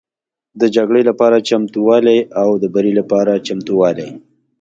د جګړې لپاره چمتووالی او د بري لپاره چمتووالی